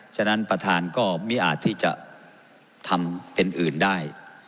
ฉะนั้นประธานก็ไม่อาจที่จะทำเป็นอื่นได้